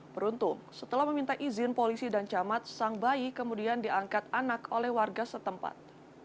beruntung setelah meminta izin polisi dan camat sang bayi kemudian diangkat anak oleh warga setempat